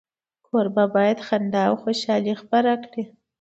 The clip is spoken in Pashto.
کوربه باید خندا او خوشالي خپره کړي.